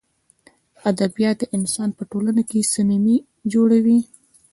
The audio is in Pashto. ادبیات انسان په ټولنه کښي صمیمي جوړوي.